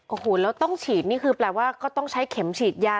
โอ้โหแล้วต้องฉีดนี่คือแปลว่าก็ต้องใช้เข็มฉีดยา